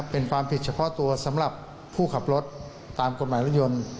เป็นความผิดเฉพาะตัวสำหรับผู้ขับรถตามกฎหมายรถยนต์